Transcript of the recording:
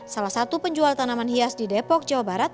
salah satu penjual tanaman hias di depok jawa barat